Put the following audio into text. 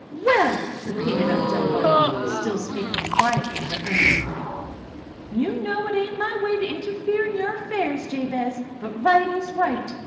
"Well," repeated Aunt Alvirah, still speaking quietly but earnestly. "You know it ain't my way to interfere in your affairs, Jabez. But right is right.